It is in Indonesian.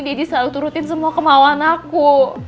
deddy selalu turutin semua kemauan aku